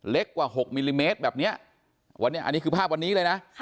กว่า๖มิลลิเมตรแบบเนี้ยวันนี้อันนี้คือภาพวันนี้เลยนะ